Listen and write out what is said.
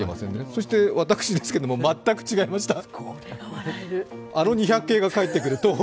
そして私ですけれども全く違いました。